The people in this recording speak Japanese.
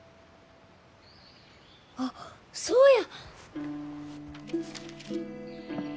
あっそうや！